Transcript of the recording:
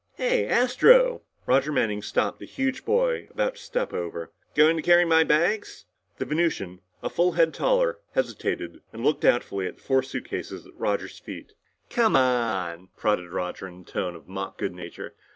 "Hey, Astro!" Roger Manning stopped the huge boy about to step over. "Going to carry my bags?" The Venusian, a full head taller, hesitated and looked doubtfully at the four suitcases at Roger's feet. "Come on," prodded Roger in a tone of mock good nature.